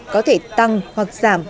có thể tăng hoặc giảm